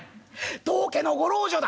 当家のご老女だ！」。